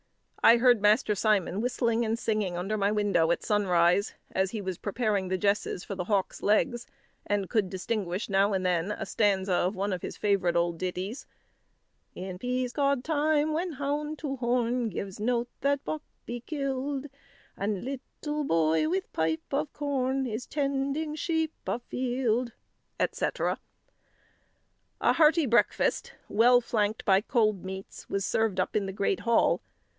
I heard Master Simon whistling and singing under my window at sunrise, as he was preparing the jesses for the hawk's legs, and could distinguish now and then a stanza of one of his favourite old ditties: "In peascod time, when hound to horn Gives note that buck be kill'd; And little boy with pipe of corn Is tending sheep a field," etc. A hearty breakfast, well flanked by cold meats, was served up in the great hall.